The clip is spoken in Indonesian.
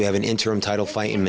dia akan mendapatkan titel pertama